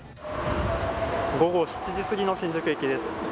午後７時すぎの新宿駅です。